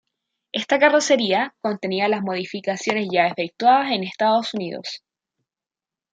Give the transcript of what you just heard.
Esta carrocería contenía las modificaciones ya efectuadas en Estados Unidos.